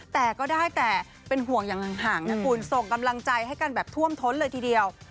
แต่ก็ได้แต่เป็นห่วงอย่างห่างนะคุณส่งกำลังใจให้กันแบบท่วมท้นเลยทีเดียว